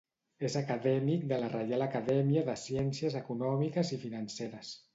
És acadèmic de la Reial Acadèmia de Ciències Econòmiques i Financeres.